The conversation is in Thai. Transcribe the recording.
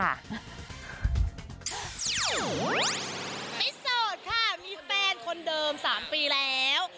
ไม่โสดค่ะมีแฟนคนเดิม๓ปีแล้ว